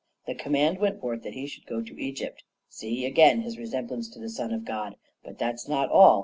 The command went forth that he should go to Egypt. See, again, his resemblance to the Son of God. But that's not all.